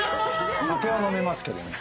酒は飲めますけどね。